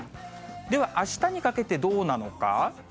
では、あしたにかけてどうなのか。